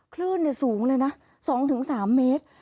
คลื่นสูงเลยนะ๒๓เมตร